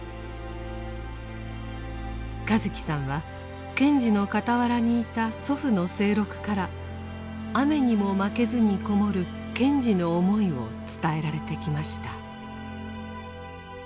和樹さんは賢治の傍らにいた祖父の清六から「雨ニモマケズ」に籠もる賢治の思いを伝えられてきました。